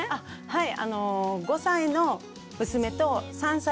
はい。